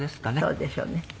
そうでしょうね。